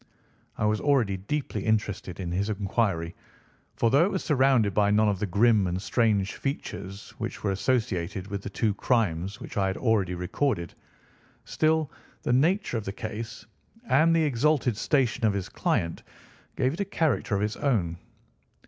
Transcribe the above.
I was already deeply interested in his inquiry, for, though it was surrounded by none of the grim and strange features which were associated with the two crimes which I have already recorded, still, the nature of the case and the exalted station of his client gave it a character of its own.